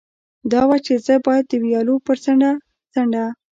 دا وه، چې زه باید د ویالو پر څنډه څنډه.